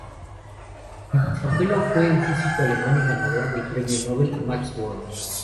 Su bisabuelo fue el físico alemán y ganador del premio nobel, Max Born.